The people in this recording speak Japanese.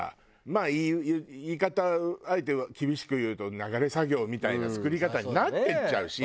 まあ言い方あえて厳しく言うと流れ作業みたいな作り方になっていっちゃうし。